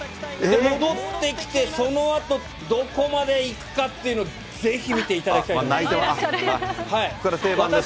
戻ってきて、そのあとどこまで行くかっていうの、ぜひ見ていただきたいと思います。